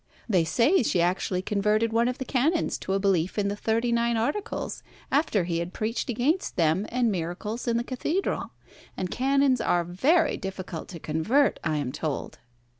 They say she actually converted one of the canons to a belief in the Thirty Nine Articles after he had preached against them, and miracles, in the Cathedral. And canons are very difficult to convert, I am told."